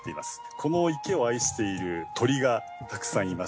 この池を愛している鳥がたくさんいましてですね